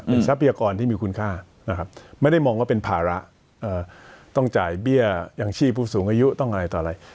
เป็นทรัพยากรที่มีคุณค่านะครับไม่ได้มองว่าเป็นภาระต้องจ่ายเบี้ยยังชีพผู้สูงอายุต้องอะไรต่ออะไร